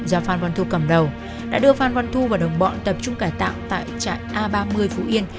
do phan văn thu cầm đầu đã đưa phan văn thu và đồng bọn tập trung cải tạo tại trại a ba mươi phú yên